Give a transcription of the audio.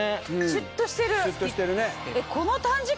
シュッとしてるね。